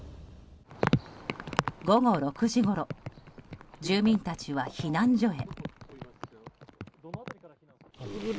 午後６時ごろ住民たちは避難所へ。